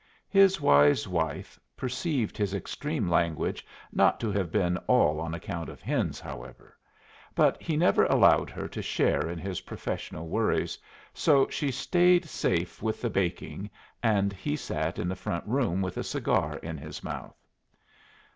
His wise wife perceived his extreme language not to have been all on account of hens, however; but he never allowed her to share in his professional worries, so she stayed safe with the baking, and he sat in the front room with a cigar in his mouth.